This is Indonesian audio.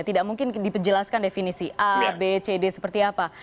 tidak mungkin diperjelaskan definisi a b c d seperti apa